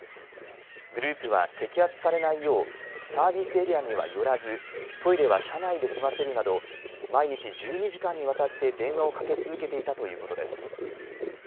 グループは摘発されないようサービスエリアには寄らずトイレは車内で済ませるなど毎日１２時間にわたって電話をかけ続けていたということです。